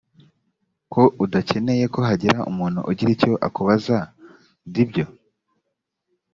ko udakeneye ko hagira umuntu ugira icyo akubaza d ibyo